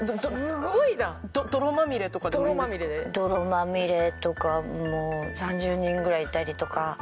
泥まみれとかも３０人ぐらいいたりとか。